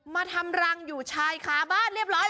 มาทำรังอยู่ชายขาบ้านเรียบร้อย